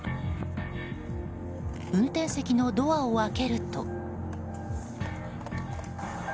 運転席のドアを開けると。